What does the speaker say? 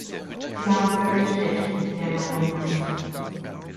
Sie haben völlig Recht, Herr Marinos.